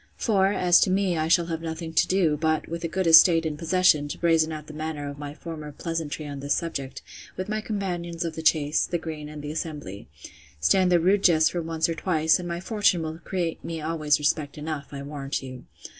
For, as to me, I shall have nothing to do, but, with a good estate in possession, to brazen out the matter of my former pleasantry on this subject, with my companions of the chase, the green, and the assemblee; stand their rude jests for once or twice, and my fortune will create me always respect enough, I warrant you.